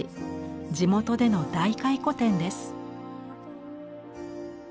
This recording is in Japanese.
地元での大回顧展です。